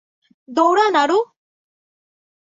দৌড়া, নারু।